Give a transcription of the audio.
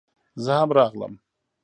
زه هم راغلم